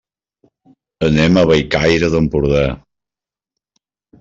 Anem a Bellcaire d'Empordà.